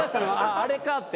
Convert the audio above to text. ああれかって？